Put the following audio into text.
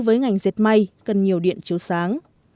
với ngành dệt may cần nhiều điện chiếu sáng